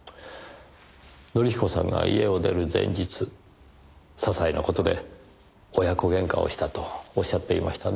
則彦さんが家を出る前日ささいな事で親子げんかをしたとおっしゃっていましたね。